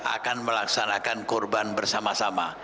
akan melaksanakan korban bersama sama